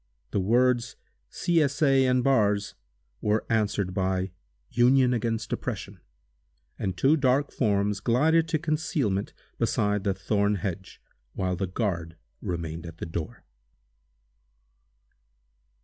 The words "C. S. A. and Bars" were answered by "Union against Oppression," and two dark forms glided to concealment beside the thorn hedge, while the guard remained at the door.